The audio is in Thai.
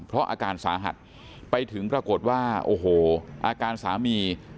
เพราะอาการสาหัสไปถึงปรากฏว่าโอ้โหอาการสามี